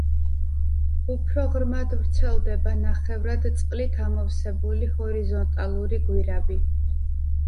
უფრო ღრმად ვრცელდება ნახევრად წყლით ამოვსებული ჰორიზონტალური გვირაბი.